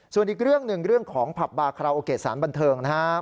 ส่วนอีกเรื่องหนึ่งเรื่องของผับบาคาราโอเกะสารบันเทิงนะครับ